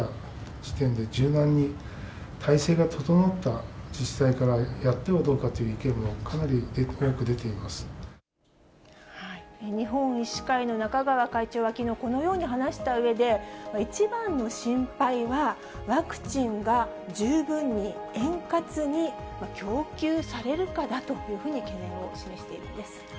時点で、柔軟に体制が整った自治体から、やってはどうかという意見も、日本医師会の中川会長はきのう、このように話したうえで、一番の心配は、ワクチンが十分に、円滑に供給されるかだというふうに懸念を示しているんです。